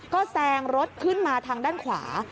ก็แซงรถขึ้นมาทางด้านขวา